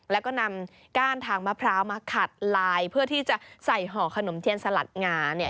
แล้วก็นำก้านทางมะพร้าวมาขัดลายเพื่อที่จะใส่ห่อขนมเทียนสลัดหงาเนี่ย